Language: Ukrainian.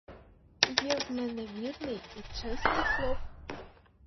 Є в мене вірний і чесний хлоп!